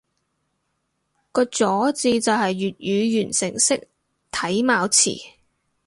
個咗字就係粵語完成式體貌詞